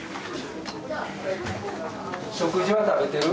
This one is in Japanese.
食事は食べてる？